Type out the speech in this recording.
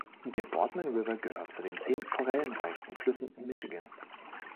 Der Boardman River gehört zu den zehn forellenreichsten Flüssen in Michigan.